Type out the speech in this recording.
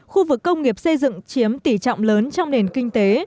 khu vực công nghiệp xây dựng chiếm tỷ trọng lớn trong nền kinh tế